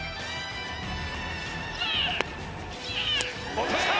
落とした！